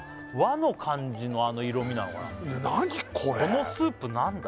このスープ何だ？